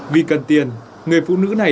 vì cần tiền người phụ nữ này